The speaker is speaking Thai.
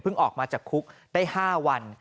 เพิ่งออกมาจากคุกได้๕วัน